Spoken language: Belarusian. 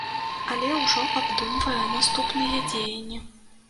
Але ўжо абдумвае наступныя дзеянні.